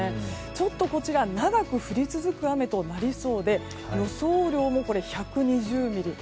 ちょっとこちら長く降り続く雨となりそうで予想雨量も１２０ミリ。